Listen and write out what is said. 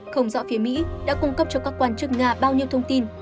không rõ phía mỹ đã cung cấp cho các quan chức nga bao nhiêu thông tin